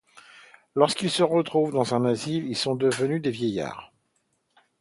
Lorsqu'ils se retrouvent dans un asile, ils sont devenus des vieillards.